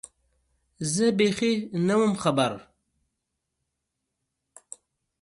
زه بېخي نه وم خبر